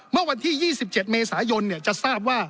เมื่อวันที่๒๗เมษายนจะทราบว่า